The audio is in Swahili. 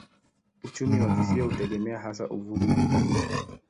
Uchumi wa kisiwa hutegemea hasa uvuvi na utalii.